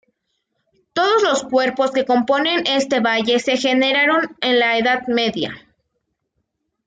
Todos los pueblos que componen este valle se generaron en la Edad Media.